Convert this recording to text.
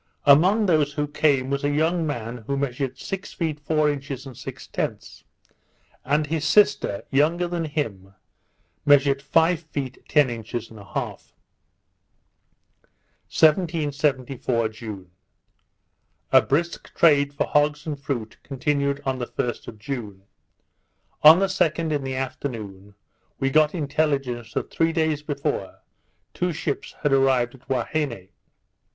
Among those who came was a young man who measured six feet four inches and six tenths; and his sister, younger, than him, measured five feet ten inches and a half. 1774 June A brisk trade for hogs and fruit continued on the 1st of June. On the 2d, in the afternoon, we got intelligence that, three days before, two ships had arrived at Huaheine.